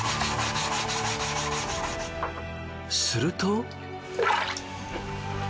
すると。